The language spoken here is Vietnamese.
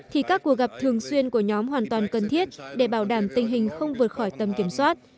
thì các cuộc gặp thường xuyên của nhóm hoàn toàn cần thiết để bảo đảm tình hình không vượt khỏi tầm kiểm soát